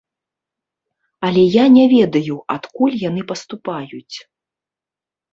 Але я не ведаю, адкуль яны паступаюць.